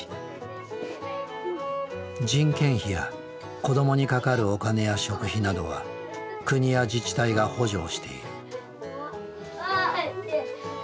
人件費や子どもにかかるお金や食費などは国や自治体が補助をしている。